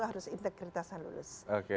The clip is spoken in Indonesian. harus integritas dan lulus